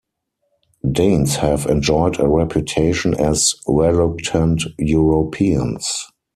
Danes have enjoyed a reputation as "reluctant" Europeans.